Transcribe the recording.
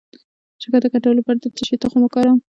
د شکر د کنټرول لپاره د څه شي تخم وکاروم؟